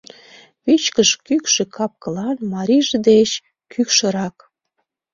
Вичкыж кӱкшӧ кап-кылан, марийже деч кӱкшырак.